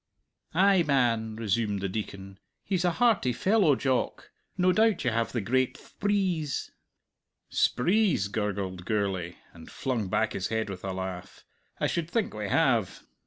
"Ay man," resumed the Deacon; "he's a hearty fellow, Jock. No doubt you have the great thprees?" "Sprees!" gurgled Gourlay, and flung back his head with a laugh. "I should think we have.